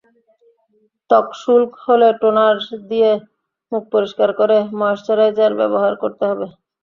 ত্বক শুষ্ক হলে টোনার দিয়ে মুখ পরিষ্কার করে ময়েশ্চারাইজার ব্যবহার করতে হবে।